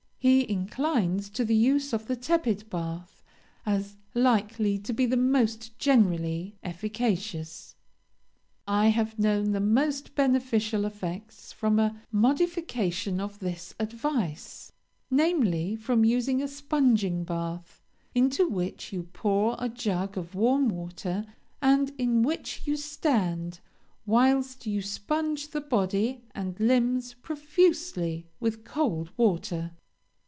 He inclines to the use of the tepid bath, as likely to be the most generally efficacious. "I have known the most beneficial effects from a modification of this advice, namely, from using a sponging bath, into which you pour a jug of warm water, and in which you stand, whilst you sponge the body and limbs profusely with cold water.